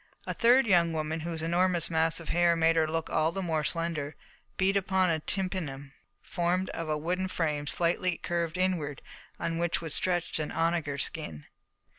A third young woman, whose enormous mass of hair made her look all the more slender, beat time upon a tympanum formed of a wooden frame slightly curved inward, on which was stretched an onager skin.